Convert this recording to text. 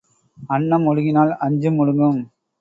அன்னம் ஒடுங்கினால் அஞ்சும் ஒடுங்கும்.